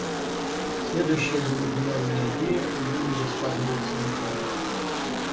Следующая его гениальная идея уже не высказывается никому.